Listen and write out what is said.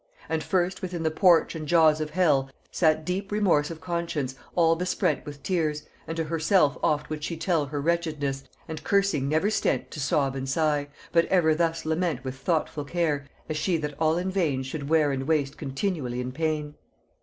"And first within the porch and jaws of hell Sat deep Remorse of Conscience, all besprent With tears; and to herself oft would she tell Her wretchedness, and cursing never stent To sob and sigh: but ever thus lament With thoughtful care, as she that all in vain Should wear and waste continually in pain.